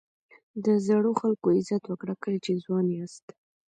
د زړو خلکو عزت وکړه کله چې ځوان یاست.